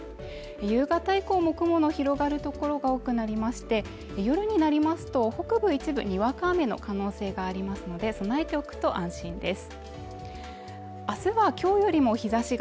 夕方以降も雲の広がるところが多くなりまして夜になりますと北部一部にわか雨の可能性がありますので備えておくと安心です。